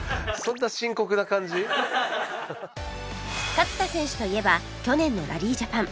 勝田選手といえば去年のラリージャパン